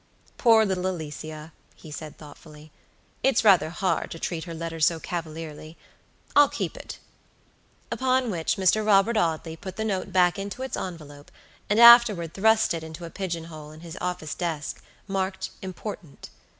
"Poor little Alicia!" he said, thoughtfully; "it's rather hard to treat her letter so cavalierlyI'll keep it;" upon which Mr. Robert Audley put the note back into its envelope, and afterward thrust it into a pigeon hole in his office desk, marked important.